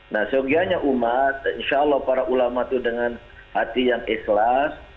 nah sogianya umat insya allah para ulama itu dengan hati yang ikhlas